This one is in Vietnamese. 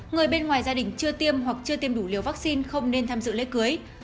người bên ngoài gia đình chưa tiêm hoặc chưa tiêm đủ liều vaccine không nên tham dự lễ cưới